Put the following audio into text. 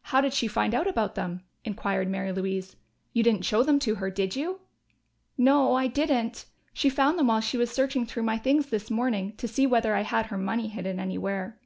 "How did she find out about them?" inquired Mary Louise. "You didn't show them to her, did you?" "No, I didn't. She found them while she was searching through my things this morning, to see whether I had her money hidden anywhere."